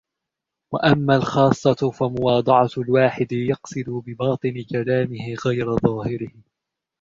وَأَمَّا الْخَاصَّةُ فَمُوَاضَعَةُ الْوَاحِدِ يَقْصِدُ بِبَاطِنِ كَلَامِهِ غَيْرَ ظَاهِرِهِ